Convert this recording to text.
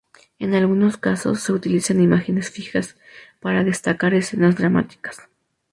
En algunos casos, se utilizan imágenes fijas para destacar escenas dramáticas.